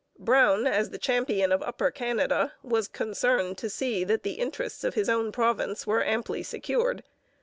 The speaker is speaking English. Brown, as the champion of Upper Canada, was concerned to see that the interests of his own province were amply secured.